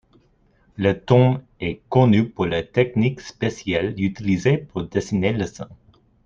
La tombe est connue pour la technique spéciale utilisée pour dessiner les scènes.